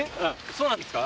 そうなんですか？